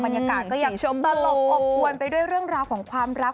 บรรยากาศก็ยังชมตลบอบอวนไปด้วยเรื่องราวของความรัก